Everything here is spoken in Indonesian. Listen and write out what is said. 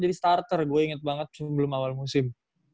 jadi starter gue inget banget sebelum awal musim